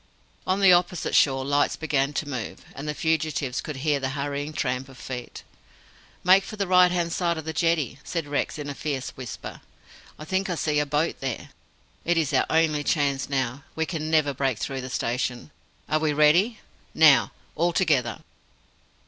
On the opposite shore lights began to move, and the fugitives could hear the hurrying tramp of feet. "Make for the right hand side of the jetty," said Rex in a fierce whisper. "I think I see a boat there. It is our only chance now. We can never break through the station. Are we ready? Now! All together!"